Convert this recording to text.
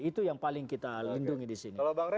itu yang paling kita lindungi disini kalau bang ray